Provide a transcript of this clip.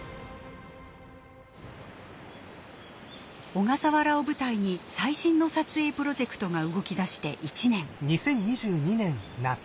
小笠原を舞台に最新の撮影プロジェクトが動きだして１年。